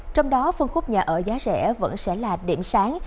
trong đó phân khúc nhà ở giá rẻ vẫn sẽ là điểm sáng